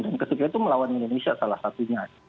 dan ketika itu melawan indonesia salah satunya